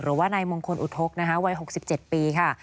หรือว่านายมงคลอุทธกวัย๖๗ปีค่ะ